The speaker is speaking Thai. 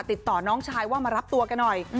ติดต่อน้องชายว่ามารับตัวกันหน่อย